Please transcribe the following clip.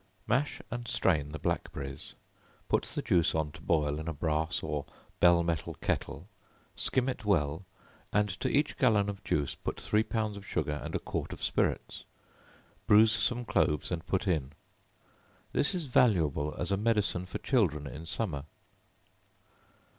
Mash and strain the blackberries; put the juice on to boil in a brass or bell metal kettle; skim it well, and to each gallon of juice put three pounds of sugar and a quart of spirits; bruise some cloves and put in. This is valuable as a medicine for children in summer.